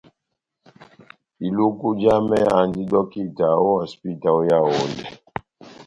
Iluku jamɛ andi dɔkita ó hosipita ó Yaondɛ.